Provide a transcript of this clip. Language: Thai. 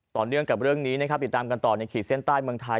ต่อเนื่องกับเรื่องนี้นะครับติดตามกันต่อในขีดเส้นใต้เมืองไทย